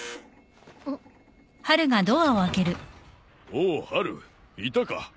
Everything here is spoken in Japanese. おおハルいたか。